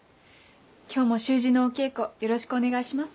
今日も習字のお稽古よろしくお願いします。